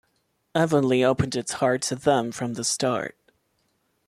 Avonlea opened its heart to them from the start.